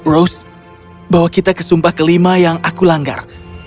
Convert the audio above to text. rose bawa kita ke sumpah kelima yang aku langgar